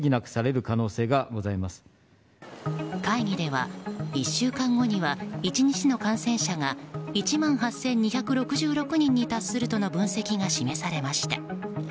会議では、１週間後には１日の感染者が１万８２６６人に達するとの分析が示されました。